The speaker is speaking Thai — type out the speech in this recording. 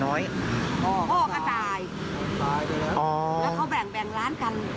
พ่อก็ตายตายไปแล้วอ๋อแล้วเขาแบ่งแบ่งร้านกัน